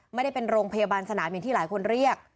ไม่ได้เป็นโรงพยาบาลสนามอย่างที่หลายคนเรียก